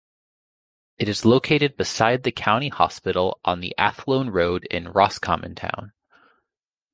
It is located beside the county hospital on the Athlone Road in Roscommon Town.